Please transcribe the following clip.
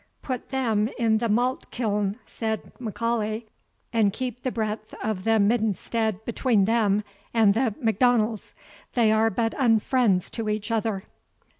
"Put them in the malt kiln," said M'Aulay; "and keep the breadth of the middenstead between them and the M'Donalds; they are but unfriends to each other."